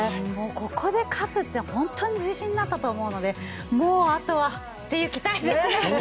ここで勝つって本当に自信になったと思うのでもうあとはという期待ですよね。